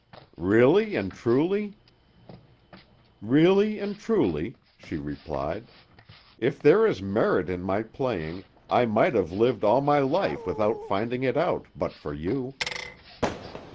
"Really and truly?" "Really and truly," she replied. "If there is merit in my playing, I might have lived all my life without finding it out, but for you."